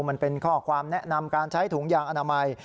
มันเป็นข้อความแนะนำการใช้ถุงยางอนามัย